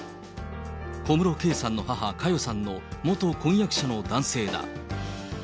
小室圭さんの母、佳代さんの元婚約者の男性だ。